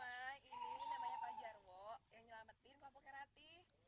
yang nyelamatin pampukan hati